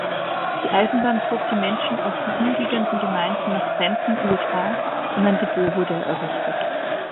Die Eisenbahn zog die Menschen aus den umliegenden Gemeinden nach Trenton, USA, und ein Depot wurde errichtet.